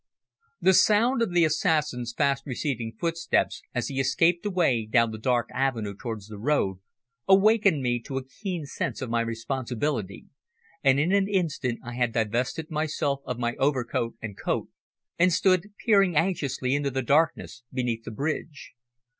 The sound of the assassin's fast receding footsteps, as he escaped away down the dark avenue towards the road, awakened me to a keen sense of my responsibility, and in an instant I had divested myself of my overcoat and coat, and stood peering anxiously into the darkness beneath the bridge.